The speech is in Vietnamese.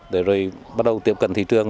để rồi bắt đầu tiếp cận thị trường